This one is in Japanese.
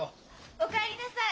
お帰りなさい！